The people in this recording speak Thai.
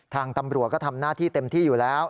ทางตำรวจก็ทำหน้าที่เต็มที่อยู่แล้ว